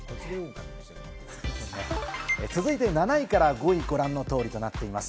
続いて７位から５位、ご覧の通りとなっています。